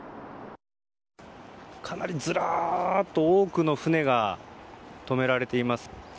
かなりずらーっと多くの船が止められています。